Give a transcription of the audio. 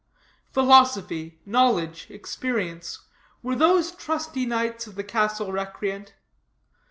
Philosophy, knowledge, experience were those trusty knights of the castle recreant?